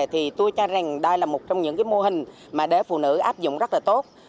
thì tôi cho rằng đó là một trong những mô hình để phụ nữ áp dụng rất là tốt